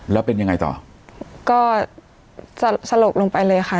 แล้วเป็นยังไงต่อก็สลบลงไปเลยค่ะ